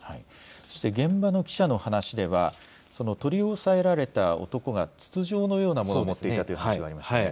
そして現場の記者の話では取り押さえられた男が筒状のようなものを持っていたという話がありました。